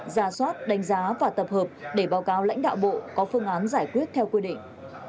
ra soát đánh giá và tập hợp để báo cáo lãnh đạo bộ có phương án giải quyết theo quy định